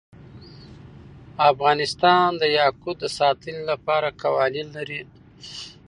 افغانستان د یاقوت د ساتنې لپاره قوانین لري.